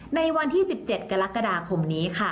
ในวันที่๑๗กรกฎาคมนี้ค่ะ